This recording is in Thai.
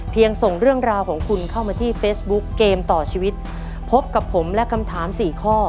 ส่งเรื่องราวของคุณเข้ามาที่เฟซบุ๊กเกมต่อชีวิตพบกับผมและคำถามสี่ข้อ